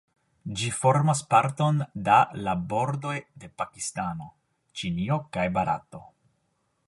Ĝi formas parton da la bordoj de Pakistano, Ĉinio, kaj Barato.